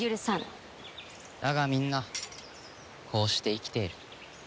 だがみんなこうして生きている。